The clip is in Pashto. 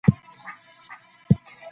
زعفرانو قدر زرګر پېژني.